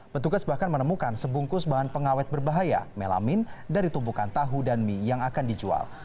petugas bahkan menemukan sebungkus bahan pengawet berbahaya melamin dari tumpukan tahu dan mie yang akan dijual